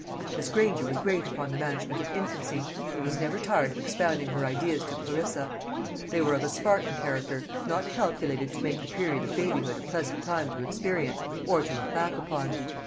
Miss Granger was great upon the management of infancy, and was never tired of expounding her ideas to Clarissa. They were of a Spartan character, not calculated to make the period of babyhood a pleasant time to experience or to look back upon.